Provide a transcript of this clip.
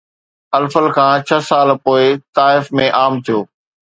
الفل کان ڇهه سال پوءِ طائف ۾ عام ٿيو